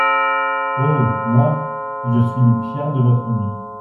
Oh, moi, je suis une pierre de votre mur.